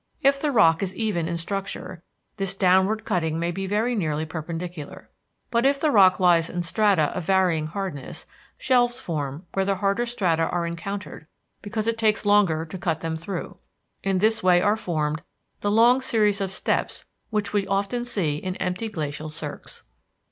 If the rock is even in structure, this downward cutting may be very nearly perpendicular, but if the rock lies in strata of varying hardness, shelves form where the harder strata are encountered because it takes longer to cut them through; in this way are formed the long series of steps which we often see in empty glacial cirques.